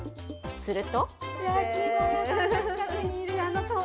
すると。